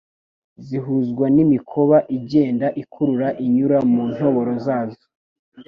zihuzwa n'imikoba igenda ikurura inyura mu ntoboro zazo